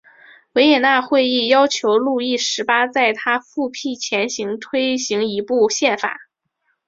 维也纳会议要求路易十八在他复辟前推行一部宪法。